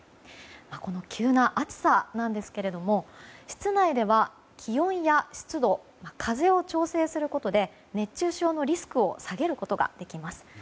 この急な暑さなんですが室内では気温や湿度風を調整することで熱中症のリスクを下げることができます。